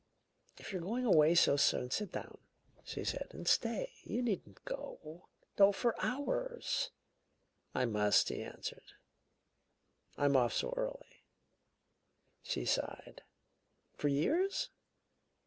"If you're going away so soon, sit down," she said, "and stay. You needn't go oh, for hours!" "I must," he answered. "I'm off so early." She sighed. "For years?"